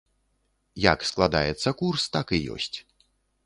Як складаецца курс, так і ёсць.